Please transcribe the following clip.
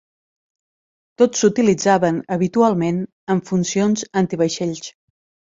Tots s'utilitzaven habitualment amb funcions antivaixells.